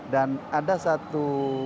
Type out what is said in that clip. dan ada satu